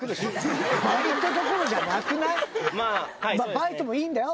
バイトもいいんだよ